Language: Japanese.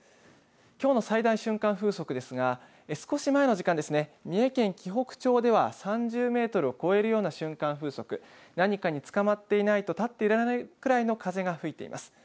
きょうの最大瞬間風速ですが少し前の時間、三重県紀北町では３０メートルを超えるような瞬間風速、何かにつかまっていないと立っていられないくらいの風が吹いています。